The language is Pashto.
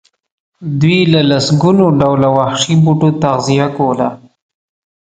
دوی له لسګونو ډوله وحشي بوټو تغذیه کوله.